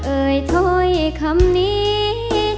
เอ่ยโทษอีกคำนั้น